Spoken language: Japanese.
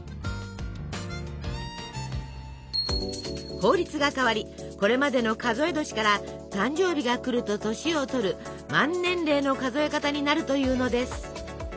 法律が変わりこれまでの数え年から誕生日が来ると年をとる満年齢の数え方になるというのです。